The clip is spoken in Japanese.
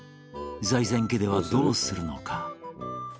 財前家ではどうするのか。